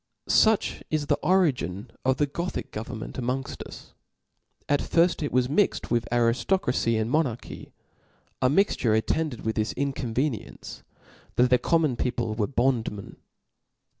• Such is the origin of the Gothic government araongft us. At firft it was mixt with ariftocracy and monarchy ; a mixture attended with this inconveniency, that the common people were bond men.